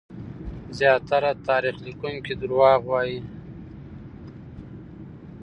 زياتره تاريخ ليکونکي دروغ وايي.